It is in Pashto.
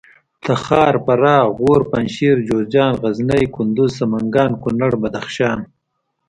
تخار فراه غور پنجشېر جوزجان غزني کندوز سمنګان کونړ بدخشان